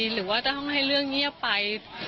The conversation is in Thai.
หรือว่าจะต้องให้เรื่องเงียบไป